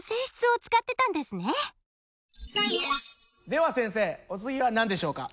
では先生お次は何でしょうか？